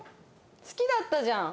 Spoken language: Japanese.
好きだったじゃん。